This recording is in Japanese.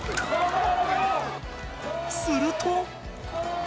すると。